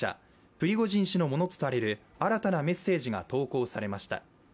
プリゴジン氏のものとされる新たなメッセージが投稿されました。